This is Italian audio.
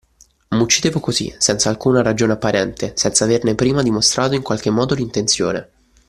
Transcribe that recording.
M'uccidevo così, senz'alcuna ragione apparente, senza averne prima dimostrato in qualche modo l'intenzione.